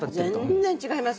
全然違います。